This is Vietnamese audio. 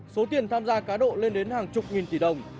số tiền tham gia cá độ lên đến hàng chục nghìn tỷ đồng